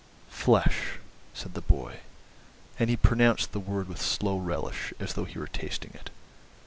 "Flesh," said the boy, and he pronounced the word with slow relish, as though he were tasting it.